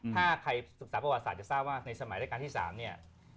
ถ้าใครศึกษาประวัติศาสตร์จะทราบว่าในสมัยรายการที่๓เนี่ย